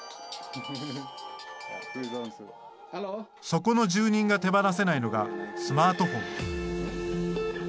そこの住人が手放せないのがスマートフォン。